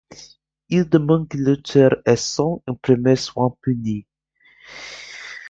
Il demande que l'auteur et son imprimeur soient punis.